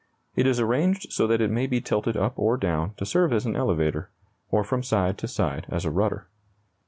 It is arranged so that it may be tilted up or down to serve as an elevator, or from side to side as a rudder.